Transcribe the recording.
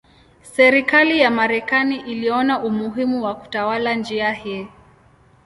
Serikali ya Marekani iliona umuhimu wa kutawala njia hii.